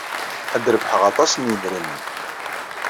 Ad d-rebḥeɣ aṭas n yidrimen.